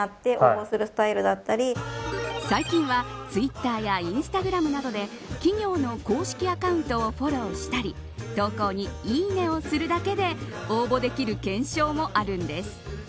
最近はツイッターやインスタグラムなどで企業の公式アカウントをフォローしたり投稿にいいねをするだけで応募できる懸賞もあるんです。